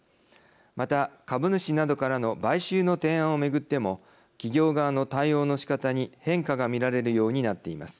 また株主などからの買収の提案を巡っても企業側の対応のしかたに変化が見られるようになっています。